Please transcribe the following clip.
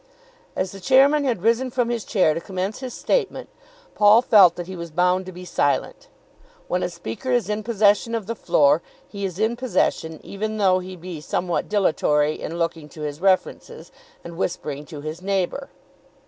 As the chairman had risen from his chair to commence his statement, Paul felt that he was bound to be silent. When a speaker is in possession of the floor, he is in possession even though he be somewhat dilatory in looking to his references, and whispering to his neighbour.